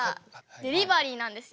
デリバリーなんですよ。